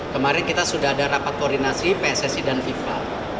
kemarin kita sudah ada rapat koordinasi pssi dan fifa